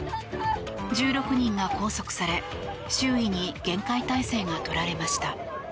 １６人が拘束され周囲に厳戒態勢が取られました。